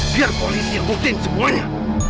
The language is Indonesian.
biar polisi yang buktiin semuanya